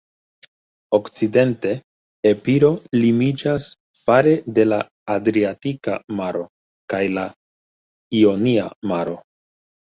Okcidente, Epiro limiĝas fare de la Adriatika Maro kaj la Ionia Maro.